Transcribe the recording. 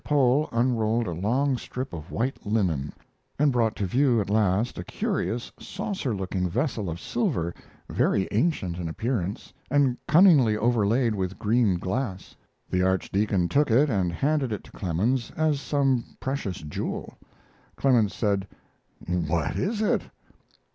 Pole unrolled a long strip of white linen and brought to view at last a curious, saucer looking vessel of silver, very ancient in appearance, and cunningly overlaid with green glass. The archdeacon took it and handed it to Clemens as some precious jewel. Clemens said: "What is it?"